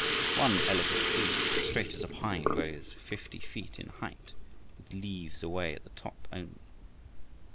One elegant tree, straight as a pine, rose fifty feet in height, with leaves away up at the top only.